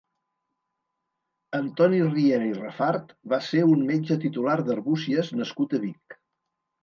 Antoni Riera i Refart va ser un metge titular d'Arbúcies nascut a Vic.